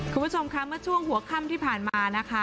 คุณผู้ชมค่ะเมื่อช่วงหัวค่ำที่ผ่านมานะคะ